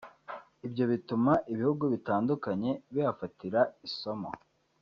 Ibyo bituma ibihugu bitandukanye bihafatira isomo